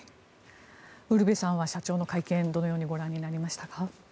ウルヴェさんは社長の会見どのようにご覧になりましたか？